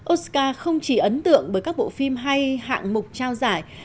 oscar không chỉ ấn tượng bởi các bộ phim hay hạng mục trao giải